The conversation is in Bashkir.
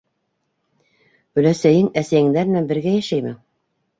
Оләсәйең әсәйеңдәр менән бергә йәшәйме?